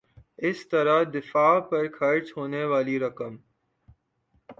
اس طرح دفاع پر خرچ ہونے والی رقم